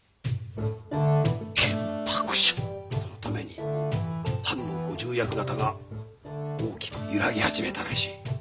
そのために藩の御重役方が大きく揺らぎ始めたらしい。